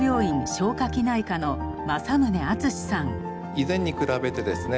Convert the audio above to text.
以前に比べてですね